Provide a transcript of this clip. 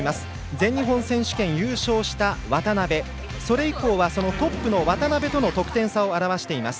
全日本選手権優勝した渡部それ以降は、トップの渡部との得点差を表しています。